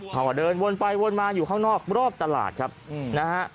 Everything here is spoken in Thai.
เขาก็เดินวนไปวนมาอยู่ข้างนอกรอบตลาดครับนะฮะ